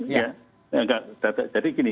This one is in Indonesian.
ya jadi gini